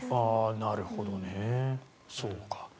なるほどね、そうか。